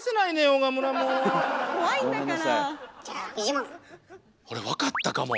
俺分かったかも。